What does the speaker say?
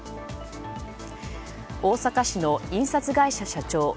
大阪市の印刷会社社長